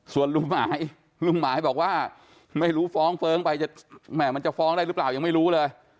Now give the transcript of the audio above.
ส่วนลุงหมายลุงหมายบอกว่าไม่รู้ฟ้องเฟิ้งไปมันจะฟ้องได้หรือเปล่ายังไม่รู้เลย